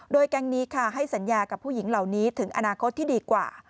โดยแก๊งนี้ค่ะให้สัญญากับผู้หญิงเหล่านี้ถึงอนาคตที่ดีกว่า